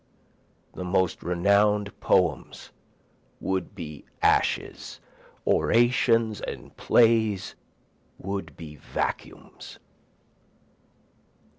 The most renown'd poems would be ashes, orations and plays would be vacuums.